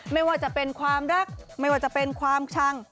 ไม่ว่าจะเป็นความรักไม่ว่าจะเป็นความชัง